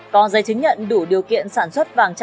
các đối tượng này đã bị bắt giữ